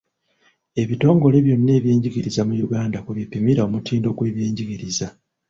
Ebitongole byonna eby'ebyenjigiriza mu Uganda kwe bipimira omutindo gw'ebyenjigiriza.